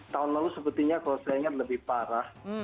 tahun lalu sepertinya kalau saya ingat lebih parah